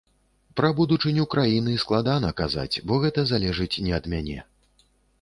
Пра будучыню краіны складана казаць, бо гэта залежыць не ад мяне.